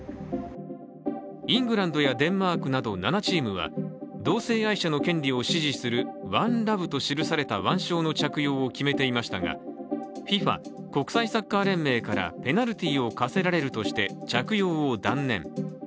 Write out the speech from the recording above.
イングランドやデンマークなど７チームは同性愛者の権利を支持するワンラブと記された腕章の着用を決めていましたがＦＩＦＡ＝国際サッカー連盟からペナルティーを科せられるとして着用を断念。